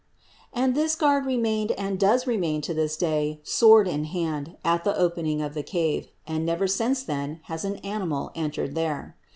And this guard remained and does remain to this day sword in hand at the opening of the cave; and never since then has an animal entered there.